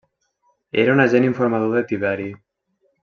Era un agent informador de Tiberi.